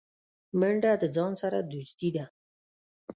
منډه د ځان سره دوستي ده